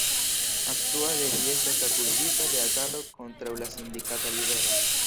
Aktuale ĝi estas akuzita de agado kontraŭ la sindikata libero.